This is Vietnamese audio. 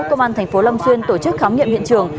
công an tp lâm xuyên tổ chức khám nghiệm hiện trường